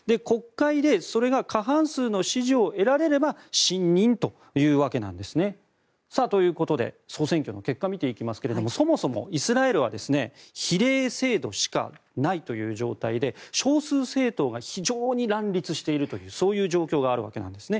国会で過半数の賛成を得られれば信任というわけなんです。ということで総選挙の結果を見ていきますがイスラエルは比例制度しかないという状態で少数政党が非常に乱立している状況があります。